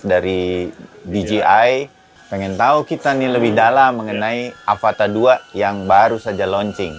dari dji pengen tahu kita nih lebih dalam mengenai avata ii yang baru saja launching